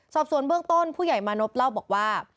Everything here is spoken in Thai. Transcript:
สอบสวนเบื้องต้นผู้ใหญ่มานพเล่าบอกว่า